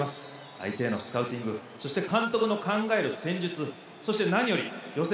相手へのスカウティングそして監督の考える戦術そして何より予選